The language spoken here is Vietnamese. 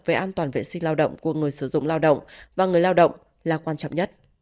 về an toàn vệ sinh lao động của người sử dụng lao động và người lao động là quan trọng nhất